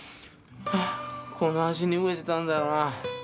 この味に飢えてたんだよな。